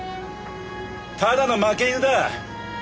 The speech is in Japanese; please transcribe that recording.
ただの負け犬だ。